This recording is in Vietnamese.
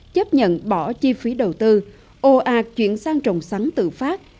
chấp nhận bỏ chi phí đầu tư ô ạc chuyển sang trồng sắn tự phát